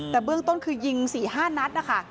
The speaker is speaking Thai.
แต่เบื้องต้นคือยิง๔๕นัดนะคะ